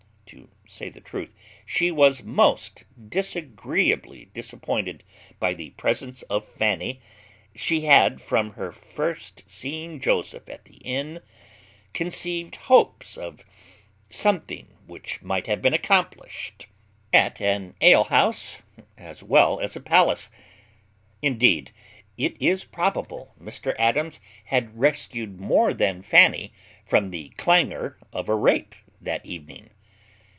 To say the truth, she was most disagreeably disappointed by the presence of Fanny: she had, from her first seeing Joseph at the inn, conceived hopes of something which might have been accomplished at an alehouse as well as a palace. Indeed, it is probable Mr Adams had rescued more than Fanny from the danger of a rape that evening.